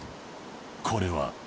これは。